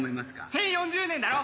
１０４０年だろ！